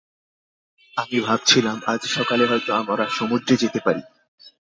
আমি ভাবছিলাম আজ সকালে হয়তো আমরা সমুদ্রে যেতে পারি।